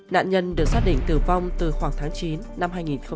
nạn nhân được xác định tử vong từ khoảng tháng chín năm hai nghìn hai mươi hai